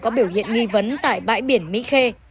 có biểu hiện nghi vấn tại bãi biển mỹ khê